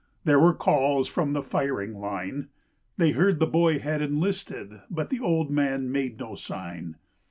There were calls from the firing line; They heard the boy had enlisted, but the old man made no sign.